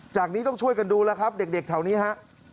นี้ต้องช่วยกันดูแล้วครับเด็กแถวนี้ฮะ